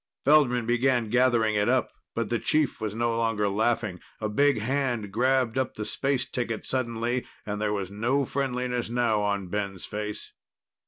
Feldman began gathering it up, but the chief was no longer laughing. A big hand grabbed up the space ticket suddenly, and there was no friendliness now on Ben's face.